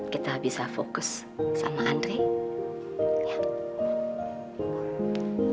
kita bisa fokus sama ada yang bisa